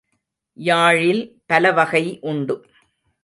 யாழில் பலவகை உண்டு.